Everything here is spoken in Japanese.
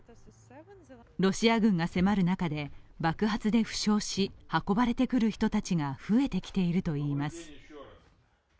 ロシア軍が迫る中で爆発で負傷し運ばれてくる人たちが増えてきているといいます。